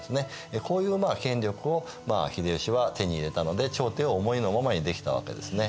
こういう権力を秀吉は手に入れたので朝廷を思いのままにできたわけですね。